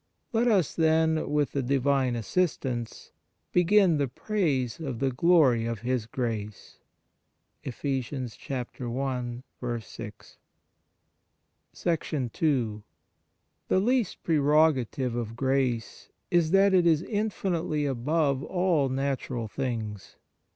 Let us, then, with the Divine assistance, begin " the praise of the glory of His grace " (Eph. i. 6). ii THE least prerogative of grace is that it is infinitely above all natural things.